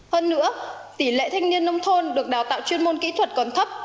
hơn nữa tỷ lệ thanh niên nông thôn được đào tạo chuyên môn kỹ thuật còn thấp